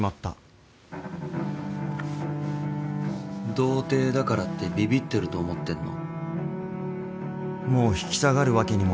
童貞だからってびびってると思ってんの？